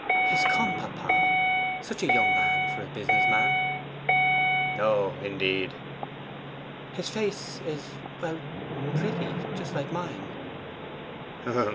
'He's come, papa. Such a young man for a business man!' 'Oh, indeed!' 'His face is well PRETTY; just like mine.